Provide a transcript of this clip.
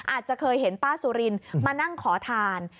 อาจจะเคยเห็นป้าสุรินมานั่งขอทาน